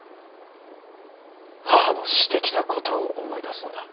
母のしてきたことを思い出すのだ。